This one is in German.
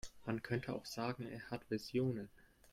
Man könnte auch sagen, er hat Visionen.